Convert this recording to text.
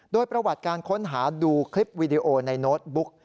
โดยประวัติการค้นหาดูคลิปวีดีโอในโน้ตบุ๊ก